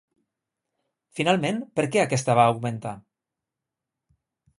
Finalment, per què aquesta va augmentar?